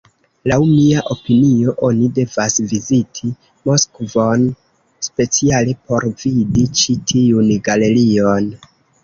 Laŭ mia opinio, oni devas viziti Moskvon speciale por vidi ĉi tiun galerion.